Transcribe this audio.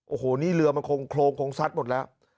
โอ้โหนี่เรือมันคงโครงคงซัดหมดแล้ว